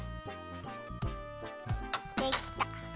できた！